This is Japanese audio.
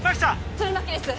弦巻です